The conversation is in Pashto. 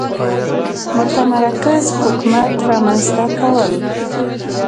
متمرکز حکومت رامنځته کول.